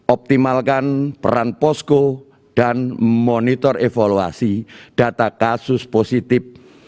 optimalkan peran posko dan monitor evaluasi data kasus positif